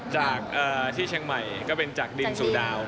จากที่เชียงใหม่ก็เป็นจากดินสู่ดาว